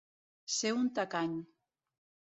Ser un tacany.